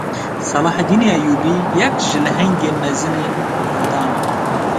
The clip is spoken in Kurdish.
Seleheddînê Eyyûbî, yek ji lehengên mezinên Kurdan e